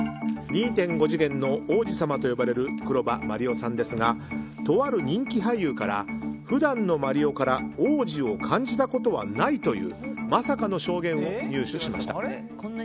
２．５次元の王子様と呼ばれる黒羽麻璃央さんですがとある人気俳優から普段の麻璃央から王子を感じたことはないというまさかの証言を入手しました。